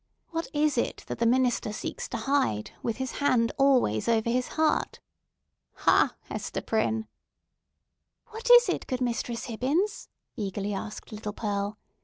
What is that the minister seeks to hide, with his hand always over his heart? Ha, Hester Prynne?" "What is it, good Mistress Hibbins?" eagerly asked little Pearl.